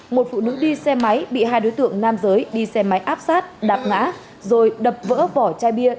một phụ nữ đi xe máy bị hai đối tượng nam giới đi xe máy áp sát đạp ngã rồi đập vỡ vỏ chai bia